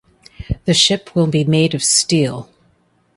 The ship will be made of steel.